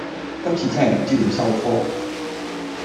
今次真係唔知點收科